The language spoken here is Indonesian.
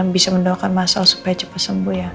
bisa mendoakan massal supaya cepat sembuh ya